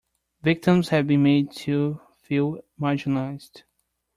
Victims have been made to feel marginalised.